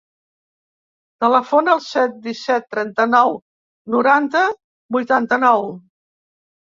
Telefona al set, disset, trenta-nou, noranta, vuitanta-nou.